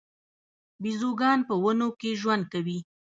بیزوګان په ونو کې ژوند کوي